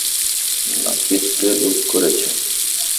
নাপিতকে লুট করেছে!